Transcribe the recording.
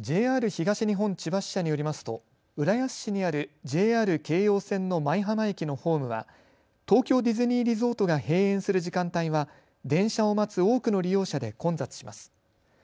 ＪＲ東日本千葉支社によりますと浦安市にあるＪＲ京葉線の舞浜駅のホームは東京ディズニーリゾートが閉園する時間帯は電車を待つ多くの利用者で混雑します。